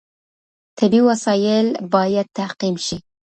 طبي وسایل باید تعقیم شي.